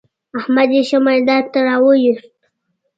احمد يې ښه ميدان ته را ويوست.